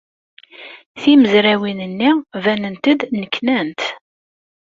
Timezrawin-nni banent-d nneknant.